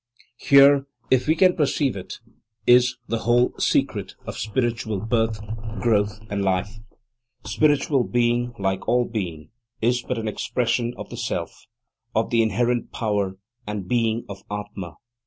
Here, if we can perceive it, is the whole secret of spiritual birth, growth and life Spiritual being, like all being, is but an expression of the Self, of the inherent power and being of Atma.